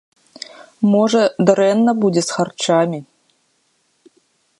Можа, дрэнна будзе з харчамі.